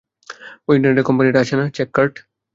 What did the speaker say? ঐ ইন্টারনেটের কোম্পানিটা আছে না, চেককার্ট?